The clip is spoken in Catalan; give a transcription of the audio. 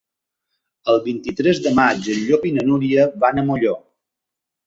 El vint-i-tres de maig en Llop i na Núria van a Molló.